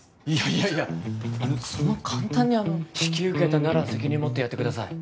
いやいやそんな簡単に引き受けたなら責任持ってやってください